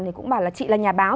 thì cũng bảo là chị là nhà báo